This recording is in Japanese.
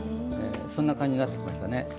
そんな感じになってきましたね。